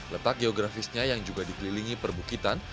letak geografisnya yang juga dikelilingi perbukitan